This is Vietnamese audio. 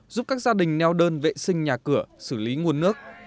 giúp các gia đình neo đơn vệ sinh nhà cửa xử lý nguồn nước